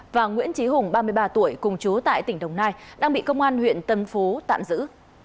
và nguyễn trí hùng ba mươi ba tuổi cùng chú tại tỉnh đồng nai đang bị công an huyện tân phú tạm giữ